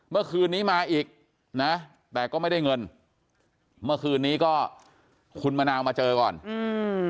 เมื่อคืนนี้มาอีกนะแต่ก็ไม่ได้เงินเมื่อคืนนี้ก็คุณมะนาวมาเจอก่อนอืม